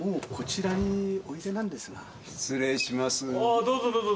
あどうぞどうぞ。